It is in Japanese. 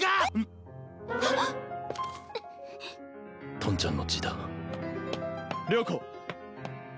トンちゃんの字だ了子！